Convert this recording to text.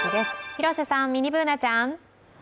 広瀬さん、ミニＢｏｏｎａちゃん。